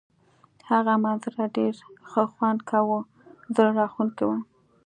هغه منظره ډېر ښه خوند کاوه، زړه راښکونکې وه.